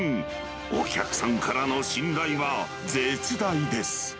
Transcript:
お客さんからの信頼は絶大です。